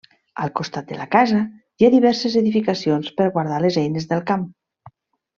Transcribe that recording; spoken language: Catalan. Al costat de la casa hi ha diverses edificacions per guardar les eines del camp.